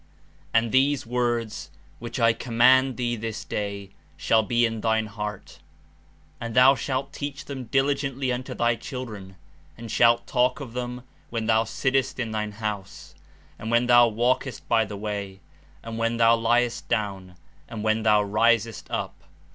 And these words, which I command thee this day, shall he in thine heart: And thou shalt teach them diligently unto thy children, and shalt talk of them zvhen thou sittest in thine house, and when thou walkest by the way, and when thou liest down, and zvhen thou risest up.